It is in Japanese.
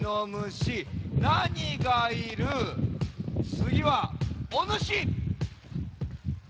つぎはおぬし。